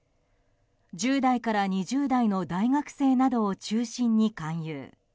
１０代から２０代の大学生などを中心に勧誘。